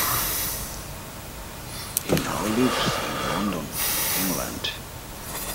He now lives in London, England.